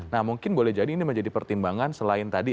nah mungkin boleh jadi ini menjadi pertimbangan selain tadi